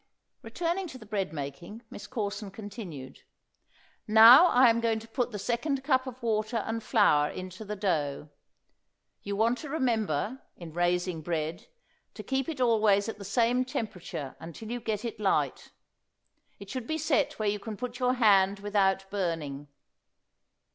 (Returning to the bread making, Miss Corson continued:) Now I am going to put the second cup of water and flour into the dough. You want to remember, in raising bread, to keep it always at the same temperature until you get it light. It should be set where you can put your hand without burning.